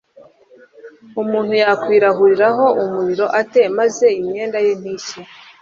umuntu yakwirahuriraho umuriro ate, maze imyenda ye ntishye